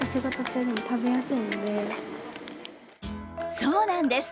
そうなんです。